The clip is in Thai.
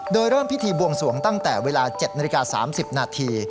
โดยเริ่มพิธีบวงสวงตั้งแต่เวลา๗นาฬิกา๓๐นาที